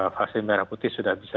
vaksin merah putih sudah bisa